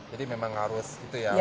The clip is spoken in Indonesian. jadi memang harus gitu ya